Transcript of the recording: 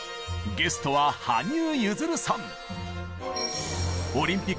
ゲストは羽生結弦さん。